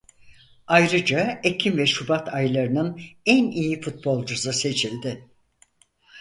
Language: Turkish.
Ayrıca Ekim ve Şubat aylarının en iyi futbolcusu seçildi.